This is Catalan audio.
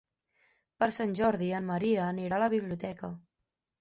Per Sant Jordi en Maria anirà a la biblioteca.